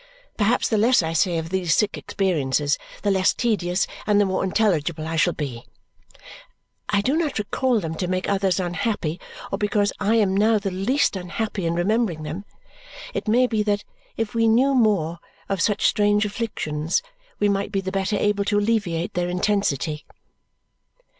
Perhaps the less I say of these sick experiences, the less tedious and the more intelligible I shall be. I do not recall them to make others unhappy or because I am now the least unhappy in remembering them. It may be that if we knew more of such strange afflictions we might be the better able to alleviate their intensity.